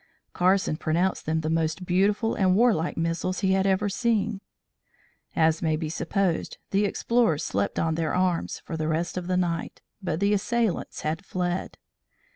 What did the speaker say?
Carson pronounced them the most beautiful and warlike missiles he had ever seen. As may be supposed the explorers "slept on their arms" for the rest of the night, but the assailants had fled.